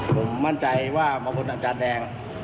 ผมมั่นใจว่ามาบนอาจารย์แดง